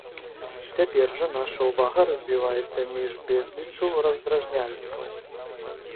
Цяпер жа нашая ўвага разбіваецца між безліччу раздражняльнікаў.